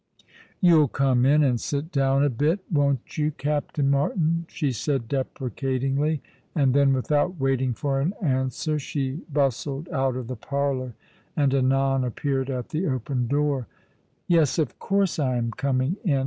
'" You'll come in and sit down a bit, won't you, Captain ^' Look through mine Eyes with thine'' 97 Martin ?" she said deprccatingly ; and then, without waiting for an answer, she bustled out of the parlour, and anon appeared at the open door. " Yes, of course I am coming in.